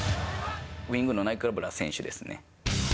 ウイングのナイカブラ選手ですね。